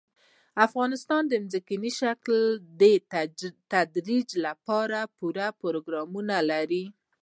افغانستان د ځمکني شکل د ترویج لپاره پوره پروګرامونه لري.